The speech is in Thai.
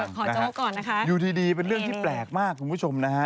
ยังนะฮะอยู่ทีดีเป็นเรื่องที่แปลกมากคุณผู้ชมนะฮะ